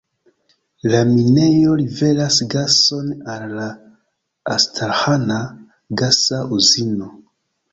La minejo liveras gason al la Astraĥana gasa uzino.